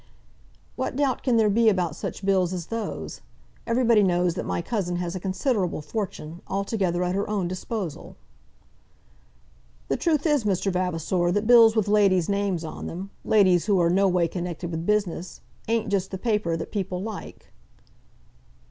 "What doubt can there be about such bills as those? Everybody knows that my cousin has a considerable fortune, altogether at her own disposal." "The truth is, Mr. Vavasor, that bills with ladies' names on them, ladies who are no way connected with business, ain't just the paper that people like."